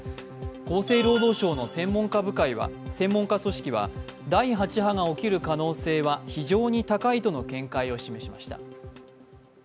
厚生労働省の専門家組織は、第８波が起きる可能性は非常に高いとの見解を示しました。